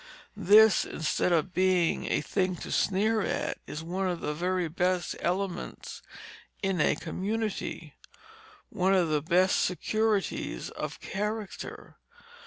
This, instead of being a thing to sneer at, is one of the very best elements in a community, one of the best securities of character.